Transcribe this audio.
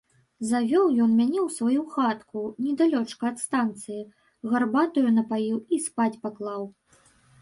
Завёў ён мяне ў сваю хатку, недалёчка ад станцыі, гарбатаю напаіў і спаць паклаў.